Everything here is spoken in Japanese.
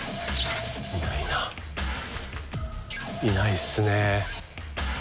いないっすね。